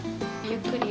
ゆっくり。